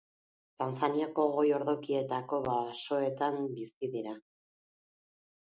Tanzaniako goi-ordokietako basoetan bizi dira.